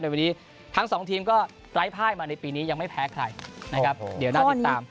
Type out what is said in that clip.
วันนี้ทั้งสองทีมก็ไร้ภายมาในปีนี้ยังไม่แพ้ใครนะครับเดี๋ยวน่าติดตาม